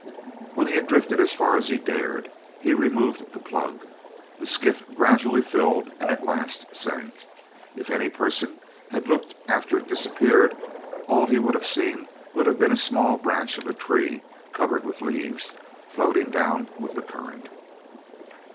When he had drifted as far as he dared, he removed the plug. The skiff gradually filled and at last sank. If any person had looked after it disappeared, all he would have seen would have been the small branch of a tree, covered with leaves, floating down with the current.